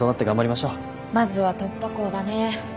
まずは突破口だね。